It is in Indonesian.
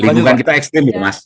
lingkungan kita ekstrim gitu mas